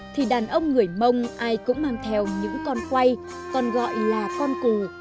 thì đàn ông người mông ai cũng mang theo những con quay còn gọi là con cù